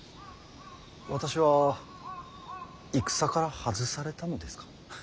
私は戦から外されたのですか。